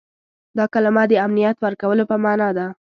دا کلمه د امنیت ورکولو په معنا ده.